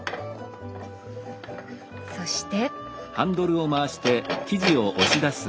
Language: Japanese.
そして。